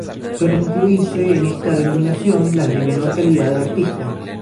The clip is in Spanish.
Suelen incluirse en esta denominación las de menor calidad del artista.